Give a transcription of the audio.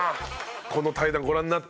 この対談ご覧になって。